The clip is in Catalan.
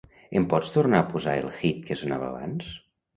Em pots tornar a posar el hit que sonava abans?